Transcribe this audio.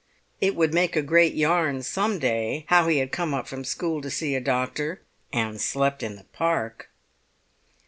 It would make a great yarn some day, how he had come up from school to see a doctor—and slept in the Park!